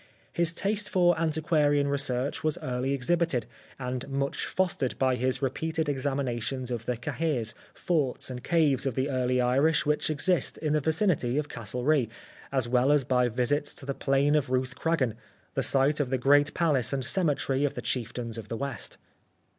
His taste for antiquarian research was early exhibited, and much fostered by his repeated examinations of the cahirs, forts and caves of the early Irish which exist in the vicinity of Castlerea, as well as by visits to the plain of Ruthcragan, the site of the great palace and cemetery of the chieftains of the West.